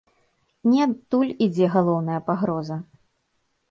Не адтуль ідзе галоўная пагроза.